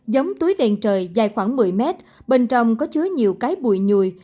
giống túi đèn trời dài khoảng một mươi m bên trong có chứa nhiều cái bụi nhùi